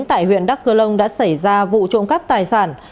tại huyện đắk cửa lông đã xảy ra vụ trộm cắp tài sản